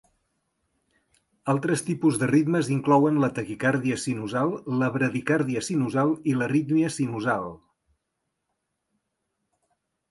Altres tipus de ritmes inclouen la taquicàrdia sinusal, la bradicàrdia sinusal i l'arrítmia sinusal.